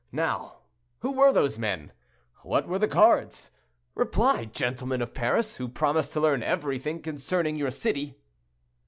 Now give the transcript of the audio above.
Now, who were those men? What were the cards? Reply, gentlemen of Paris, who promised to learn everything concerning your city."